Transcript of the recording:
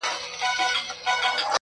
راډیويي پروګرامونه لا هم اورېدل کېږي